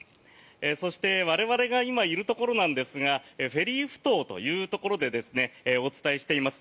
そして我々が今いるところなんですがフェリーふ頭というところでお伝えしています。